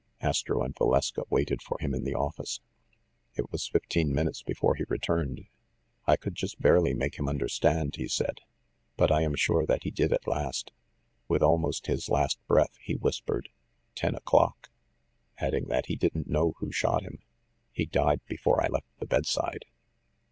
Astro and Valeska waited for him in the office. It was fifteen minutes before he returned. "I could just barely make him understand," he said, "but I am sure that he did at last. With almost his last breath he whispered, 'Ten o'clock/ adding that he didn't know who shot him. He died before I left the bedside."